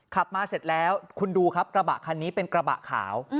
ขับมาเสร็จแล้วคุณดูครับกระบะคันนี้เป็นกระบะขาว